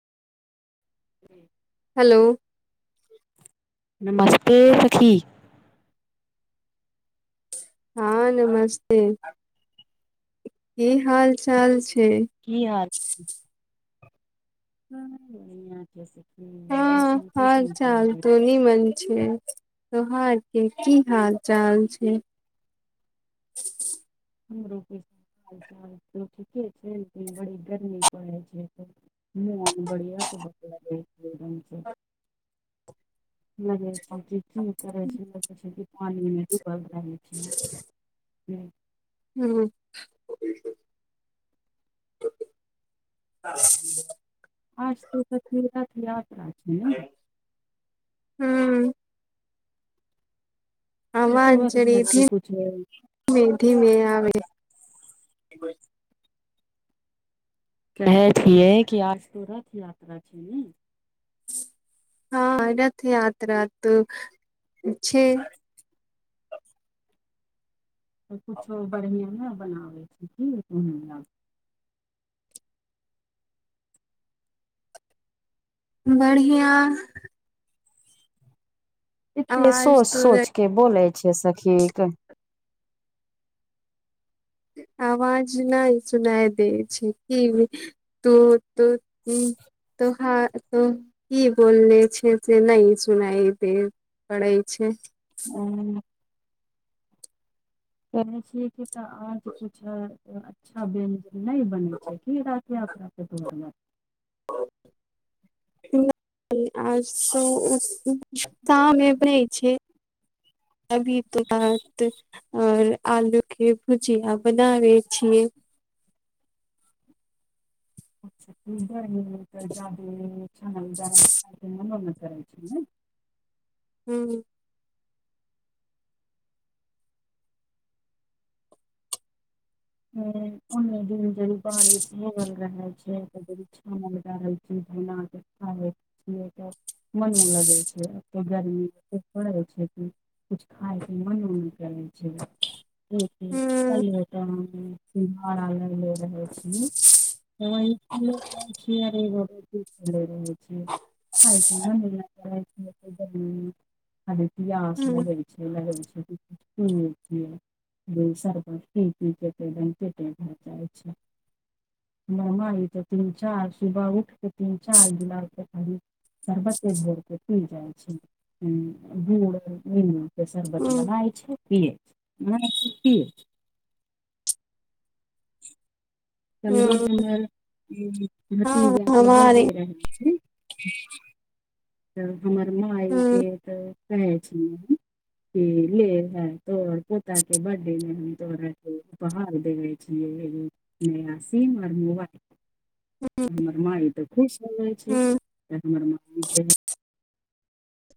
[inaudible] Hello नमस्ते सखी हॅं नमस्ते की हाल चाल छै की हाल [unintelligible] हँ मौसम हाल कैसन छै चाल उधर तऽ नीमन छै तोहार के की हाल चाल छै हमरो के हाल चाल तऽ ठीके छै लेकिन बड़ी गरमी पड़े छै नहि बढ़ियाँ खबर [unintelligible] [unintelligible] की करै छै देखै छै कि पानिमे डूबल रहै छेलै हँ ह्म आज तक तऽ दुर्गा के यात्रा छै हूँ कि तोहर घर पे कुछ [unintelligible] नहि धीमे आबै कहे छियै कि आज तो रथ यात्रा छै ने हँ रथ यात्रा तो छै कुछो बढ़ियाँ ने बनाबै छी क [unintelligible] बढ़ियाँ एते आवाज सोच तो सोच के बोलै छै सखी आवाज नहि सुनाइ दै छै कि तू तू कि तोहँ तो की बोलले छियै से नहि सुनाइ देत पड़ै छै ओ कहे छीयै कि तऽ आज कुछ अच्छा बनि जा नहि बनै छै की राति यात्राके बाद आ शाममे दै छियै [inaudible] अभी तऽ बात और आलू के भुजिया बनावे छियै तऽ जादू छान उद मना कर छै ने [unintelligible] हूँ हूंम्म उन्ने दिन जदी बारिश निगल रहै छै [unintelligible] खा छियै तऽ मन लगे छै [unintelligible] गर्मी छै ऐसन थोरे होय छै कि कुछ खायके मने नऽ [unintelligible] करै छै हूँ [unintelligible] [unintelligible] [unintelligible] खाली पियाश हूँ लगै। [unintelligible] [unintelligible] [unintelligible] [unintelligible] हूँ [unintelligible] कलहि हूँ हमर हँ भतीजा के हमारे बर्थडे रहल। तऽ हमर माय के हूँ तऽ कहै छ। [unintelligible] [unintelligible] हूँ हमर माइ तऽ खुश हो गेल छैय हूँ हमर माइ